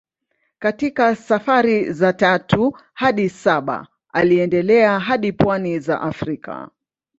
Katika safari za tatu hadi saba aliendelea hadi pwani za Afrika.